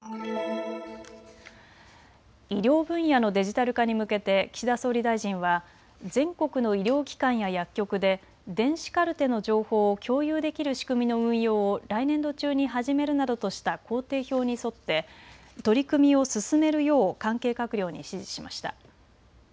医療分野のデジタル化に向けて岸田総理大臣は全国の医療機関や薬局で電子カルテの情報を共有できる仕組みの運用を来年度中に始めるなどとした工程表に沿って取り組みを推めるよう関係閣僚に指示しました。